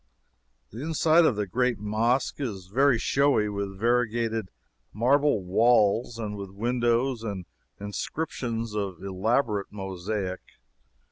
The inside of the great mosque is very showy with variegated marble walls and with windows and inscriptions of elaborate mosaic.